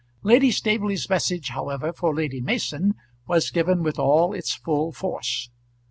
Lady Staveley's message, however, for Lady Mason was given with all its full force.